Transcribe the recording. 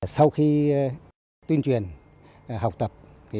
sau khi tuyên truyền học tập